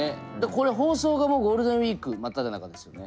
これ放送がもうゴールデンウイーク真っただ中ですよね。